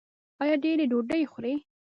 ایا ډیرې ډوډۍ خورئ؟